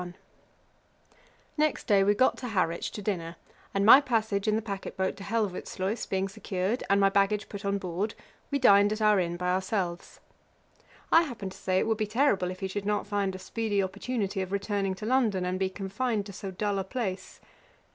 ] Next day we got to Harwich to dinner; and my passage in the packet boat to Helvoetsluys being secured, and my baggage put on board, we dined at our inn by ourselves. I happened to say it would be terrible if he should not find a speedy opportunity of returning to London, and be confined to so dull a place.